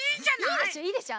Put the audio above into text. いいでしょいいでしょ。